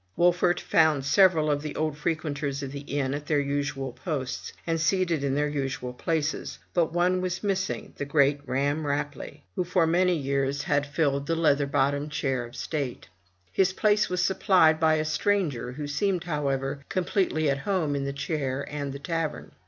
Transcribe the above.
Wolfert found several of the old frequenters of the inn at their usual posts, and seated in their usual places; but one was missing, the great Ramm Rapelye, who for many years had filled the ii8 FROM THE TOWER WINDOW leather bottomed chair of state. His place was supplied by a stranger, who seemed, however, completely at home in the chair and the tavern.